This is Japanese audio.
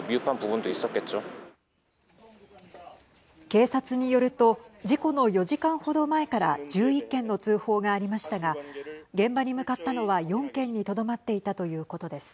警察によると事故の４時間程前から１１件の通報がありましたが現場に向かったのは４件にとどまっていたということです。